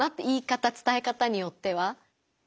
言い方伝え方によっては。